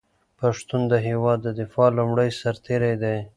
پښتون د هېواد د دفاع لومړی سرتېری دی.